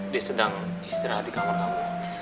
dia sedang istirahat di kamar kamu